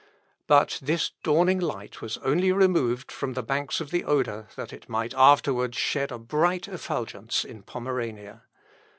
But this dawning light was only removed from the banks of the Oder that it might afterwards shed a bright effulgence in Pomerania.